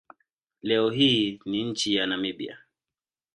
Leo hii ni nchi ya Namibia.